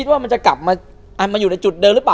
คิดว่ามันจะกลับมาอ่ะมันอยู่ในจุดเดินหรือเปล่า